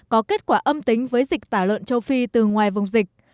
có kết quả âm tính với dịch tả lợn châu phi từ ngoài vùng dịch